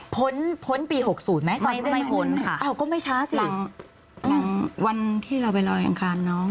พ้นพ้นปีหกศูนย์ไหมไม่พ้นค่ะอ้าวก็ไม่ช้าสิหลังหลังวันที่เราไปรออย่างการน้อง